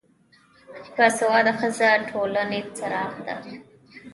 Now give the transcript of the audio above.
با سواده ښځه دټولنې څراغ ده